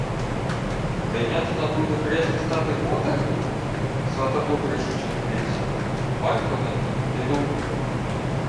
— Прийняти на груди хрест і стати готами? — Сватоплук рішуче підвівся. — Парко мені. Піду.